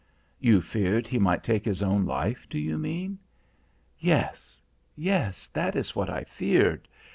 "You feared he might take his own life, do you mean?" "Yes, yes, that is what I feared.